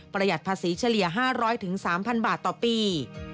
ประหยัดภาษีเฉลี่ย๕๐๐ถึง๓๐๐๐บาทต่อปี